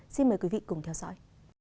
xin mời quý vị cùng theo dõi